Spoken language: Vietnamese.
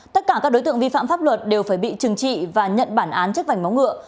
tất cả các đối tượng vi phạm pháp luật đều phải bị trừng trị và nhận bản án chức vành máu ngựa